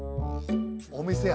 お店や。